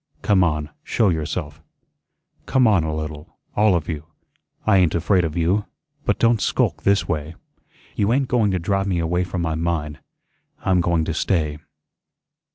"Come on, show yourself. Come on a little, all of you. I ain't afraid of you; but don't skulk this way. You ain't going to drive me away from my mine. I'm going to stay."